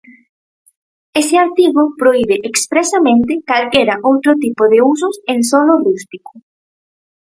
Ese artigo prohibe expresamente calquera outro tipo de usos en solo rústico.